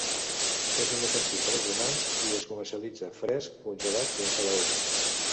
És inofensiu per als humans i es comercialitza fresc, congelat i en salaó.